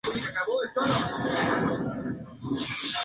Actualmente el distrito está representado por el Demócrata Mike Capuano.